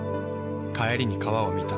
帰りに川を見た。